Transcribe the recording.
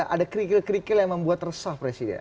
ada kerikil kerikil yang membuat resah presiden